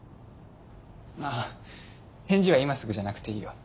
あぁ返事は今すぐじゃなくていいよ。